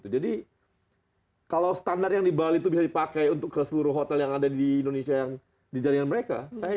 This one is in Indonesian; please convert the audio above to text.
jadi kalau standar yang di bali itu bisa dipakai untuk seluruh hotel yang ada di indonesia yang di jaringan mereka saya yakin